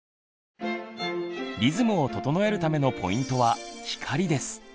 リズムを整えるためのポイントは光です。